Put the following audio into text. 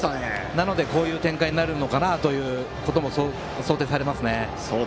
なので、こういう展開になるのかなと想定されますね。